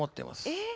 えっ？